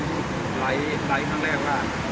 ท่านผู้ใหญ่ท่านนี้ท่านผู้ไหลข้างแรกว่า